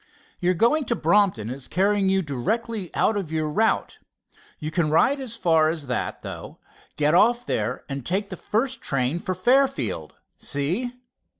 Your going to Brompton is carrying you directly out of your route, you can ride as far as that, though, get off there and take the first train for Fairfield, see?"